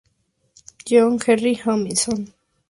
John Henry Hopkins, Jr.